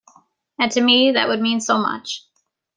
And to me that would mean so much.